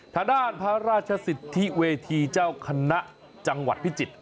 ทางด้านพระราชสิทธิเวทีเจ้าคณะจังหวัดพิจิตร